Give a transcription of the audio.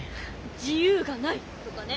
自由がない！とかね。